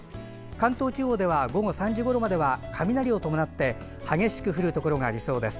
関東地方では午後３時ごろまでは雷を伴って激しく降るところがありそうです。